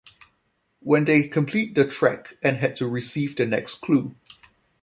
When they complete the trek and had to receive their next clue.